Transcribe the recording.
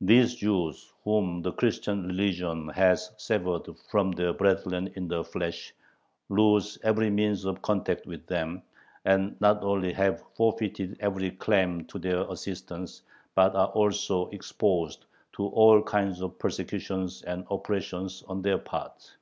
These Jews, whom the Christian religion has severed from their brethren in the flesh, lose every means of contact with them, and not only have forfeited every claim to their assistance, but are also exposed to all kinds of persecutions and oppressions on their part.